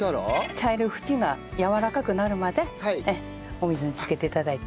茶色い縁がやわらかくなるまでお水につけて頂いて。